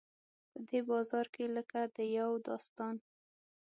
په دې بازار کې لکه د یو داستان.